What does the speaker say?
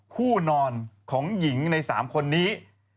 คู่นอนของหญิงใน๓คนนี้